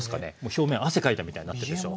表面汗かいたみたいになってるでしょ。